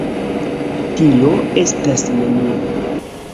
Tio estas nenio.